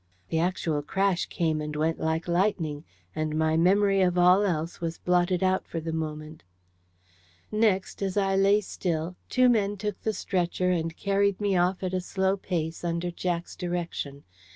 The actual crash came and went like lightning. And my memory of all else was blotted out for the moment. Next, as I lay still, two men took the stretcher and carried me off at a slow pace, under Jack's direction.